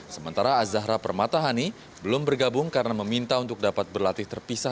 sementara azahra permatahani belum bergabung karena meminta untuk dapat berlatih terpisah